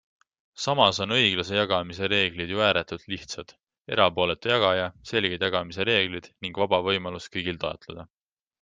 Samas on õiglase jagamise reeglid ju ääretult lihtsad - erapooletu jagaja, selged jagamise reeglid ning vaba võimalus kõigil taotleda.